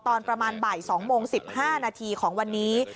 ตอนประมาณบ่าย๒โมง๑๕นาทีของวันนี้